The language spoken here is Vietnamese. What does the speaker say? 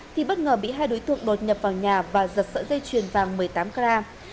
thì bất ngờ bị hai đối tượng đột nhập vào nhà và giật sợi dây chuyền vàng một mươi tám kra